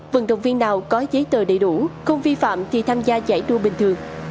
vận động viên nào có giấy tờ đầy đủ không vi phạm thì tham gia giải đua bình thường